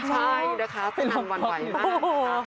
ใช่นะคะฟิลันวันไหวมาก